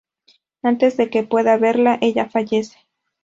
Antes de que pueda verla, ella fallece.